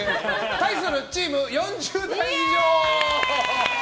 対するチーム４０代以上！